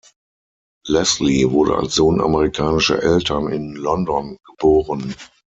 Leslie wurde als Sohn amerikanischer Eltern in London geboren.